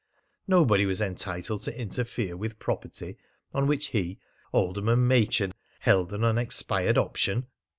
Nobody was entitled to interfere with property on which he, Alderman Machin, held an unexpired option!